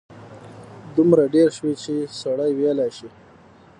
دومره ډېر شوي چې سړی ویلای شي.